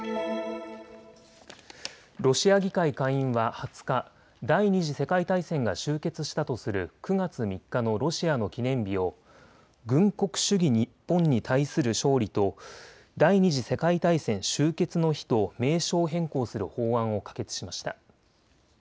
ロシア議会下院は２０日、第２次世界大戦が終結したとする９月３日のロシアの記念日を軍国主義日本に対する勝利と第２次世界大戦終結の日と名称変更する法案を可決しました。